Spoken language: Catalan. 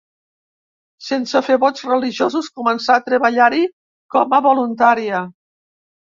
Sense fer vots religiosos, començà a treballar-hi com a voluntària.